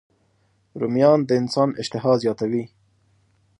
رومیان د انسان اشتها زیاتوي